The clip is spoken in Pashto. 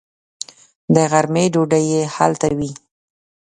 د غرمې ډوډۍ یې هلته وي.